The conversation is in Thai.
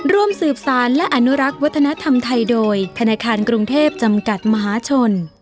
ร่วมสืบสารและอนุรักษ์วัฒนธรรมไทยโดยธนาคารกรุงเทพจำกัดมหาชน